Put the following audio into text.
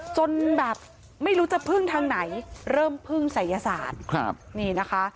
จนแบบไม่รู้จะพึ่งทางไหนเริ่มพึ่งศัยศาสตร์ครับนี่นะคะ